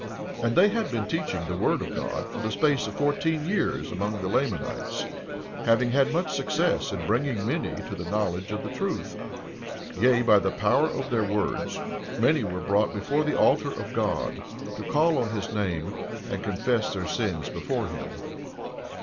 17:4 And they had been teaching the word of God for the space of fourteen years among the Lamanites, having had much success in bringing many to the knowledge of the truth; yea, by the power of their words many were brought before the altar of God, to call on his name and confess their sins before him.